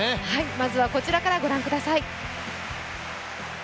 まずはこちらからご覧ください。